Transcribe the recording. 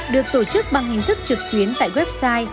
được tổ chức bằng hình thức trực tuyến tại website